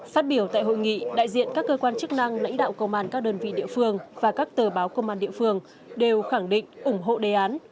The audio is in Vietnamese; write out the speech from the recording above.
phát biểu tại hội nghị đại diện các cơ quan chức năng lãnh đạo công an các đơn vị địa phương và các tờ báo công an địa phương đều khẳng định ủng hộ đề án